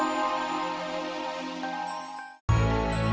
untuk kevin temanku tersayang